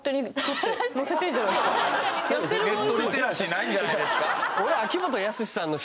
ネットリテラシーないんじゃないですか？